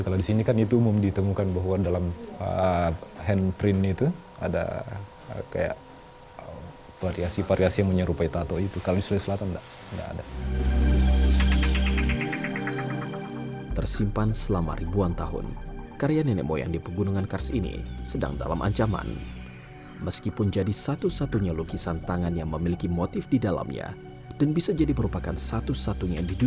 kalau di sini kan itu umum ditemukan bahwa dalam handprint itu ada variasi variasi yang menyerupai tato itu